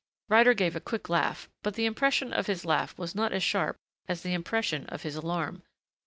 Ryder gave a quick laugh but the impression of his laughter was not as sharp as the impression of his alarm.